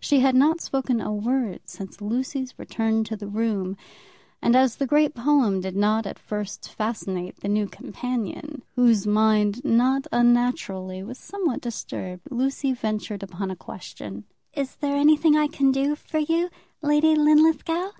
She had not spoken a word since Lucy's return to the room; and as the great poem did not at first fascinate the new companion, whose mind not unnaturally was somewhat disturbed, Lucy ventured upon a question. "Is there anything I can do for you, Lady Linlithgow?"